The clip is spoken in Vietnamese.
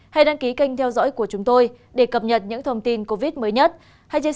hãy đăng ký kênh để ủng hộ kênh của chúng mình nhé